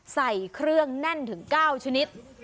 ใส่เครื่องแน่นถึง๙ชนิด